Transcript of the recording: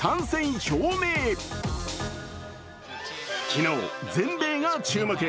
昨日、全米が注目。